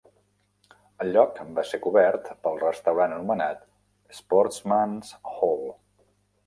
El lloc va ser cobert pel restaurant anomenat "Sportsman's Hall".